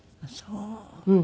うん。